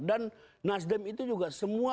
dan nasdem itu juga semua